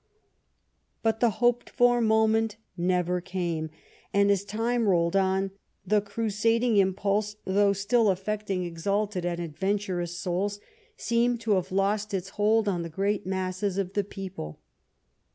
But the hoped for moment Ill EDWARD AS A CRUSADER 47 never came, and as time rolled on, the crusading impulse, though still affecting exalted and adventurous souls, seemed to have lost its hold on the great masses of the people.